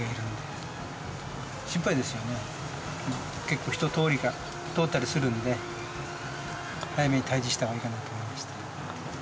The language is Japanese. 結構人通りが通ったりするんで早めに退治したほうがいいかなと思いました。